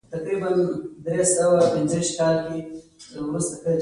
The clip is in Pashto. هغه تر بريا پورې له خپل دريځه نه ګرځېده.